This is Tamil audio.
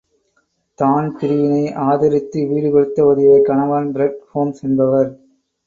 தான்பிரீனை ஆதரித்து வீடு கொடுத்து உதவிய கணவான் பிரெட் ஹோம்ஸ் என்பவர்.